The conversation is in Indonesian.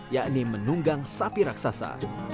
yakni menunggang sapi raksasa